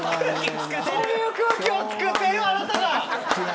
そういう空気を作ってるあなたが。